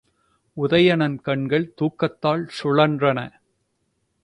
உதயணன் கண்கள் தூக்கத்தால் சுழன்றன.